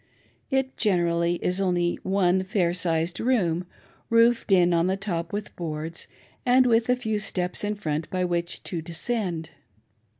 It generally is only one fair sized room, roofed in on the top with boards, and with a few steps in front by which to descend.